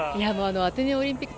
アテネオリンピックで。